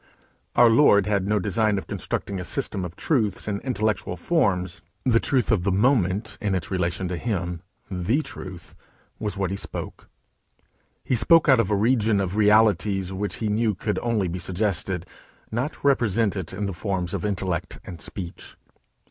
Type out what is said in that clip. Our Lord had no design of constructing a system of truth in intellectual forms. The truth of the moment in its relation to him, The Truth, was what he spoke. He spoke out of a region of realities which he knew could only be suggested not represented in the forms of intellect and speech.